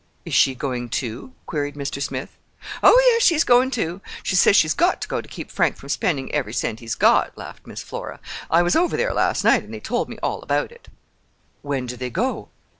"Is she going, too?" queried Mr. Smith. "Oh, yes, she's going, too. She says she's got to go to keep Frank from spending every cent he's got," laughed Miss Flora. "I was over there last night, and they told me all about it." "When do they go?"